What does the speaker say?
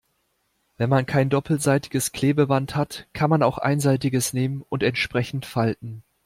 Wenn man kein doppelseitiges Klebeband hat, kann man auch einseitiges nehmen und entsprechend falten.